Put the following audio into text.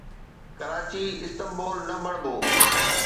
Karachi Istanbul نه بڻيو